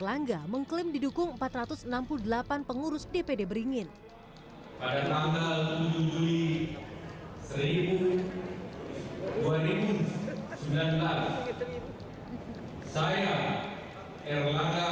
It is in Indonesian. dan dengan dukungan yang masih mengalir